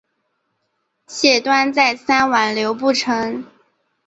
谢端再三挽留不成。